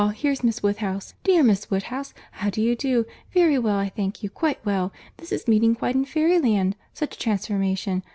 here's Miss Woodhouse.—Dear Miss Woodhouse, how do you do?—Very well I thank you, quite well. This is meeting quite in fairy land!—Such a transformation!